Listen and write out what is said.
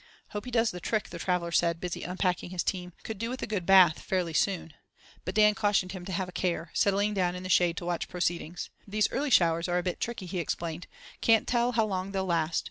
"Hope he does the trick," the traveller said, busy unpacking his team. "Could do with a good bath fairly soon." But Dan cautioned him to "have a care," settling down in the shade to watch proceedings. "These early showers are a bit tricky," he explained, "can't tell how long they'll last.